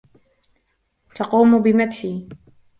تقوم بمدحي.